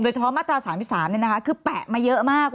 โดยเฉพาะมาตรา๓๓นะคะคือแปะมาเยอะมาก